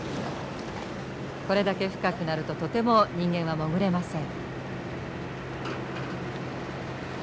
これだけ深くなるととても人間は潜れません。